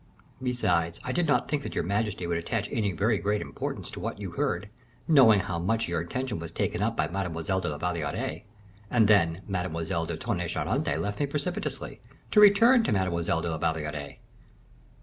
Besides, I did not think that your majesty would attach any very great importance to what you heard, knowing how much your attention was taken up by Mademoiselle de la Valliere; and then, Mademoiselle de Tonnay Charente left me precipitately, to return to Mademoiselle de la Valliere."